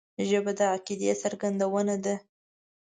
ژبه د عقیدې څرګندونه ده